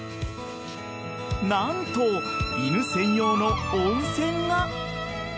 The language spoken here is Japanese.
何と、犬専用の温泉が。